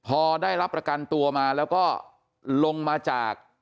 พอได้รับประกันตัวมาแล้วก็ลงมาจาก